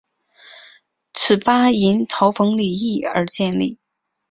此吧因嘲讽李毅而建立。